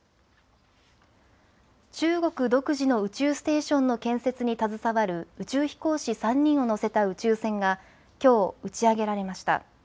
中国独自の宇宙ステーションの建設に携わる宇宙飛行士３人を乗せた宇宙船がきょう打ち上げられました。